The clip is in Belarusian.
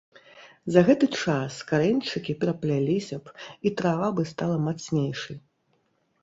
За гэты час карэньчыкі перапляліся б, і трава бы стала мацнейшай.